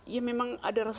ya memang ada rasa terang